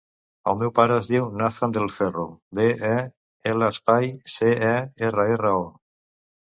El meu pare es diu Nathan Del Cerro: de, e, ela, espai, ce, e, erra, erra, o.